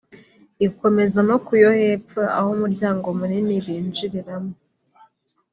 ikomereza no ku yo hepfo aho umuryango munini binjiriramo uri